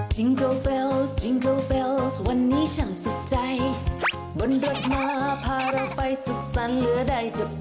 วันนี้ฉันชัดใจเพื่อนรักมาพาเราไปศึกษันเมื่อใดจะเอ่ย